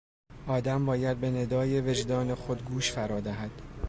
آدم باید به ندای وجدان خود گوش فرا دهد.